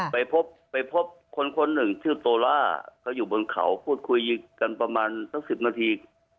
ไปพบไปพบคนคนหนึ่งชื่อโตล่าเขาอยู่บนเขาพูดคุยกันประมาณสัก๑๐นาที